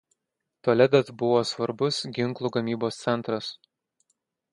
Toledas buvo svarbus ginklų gamybos centras.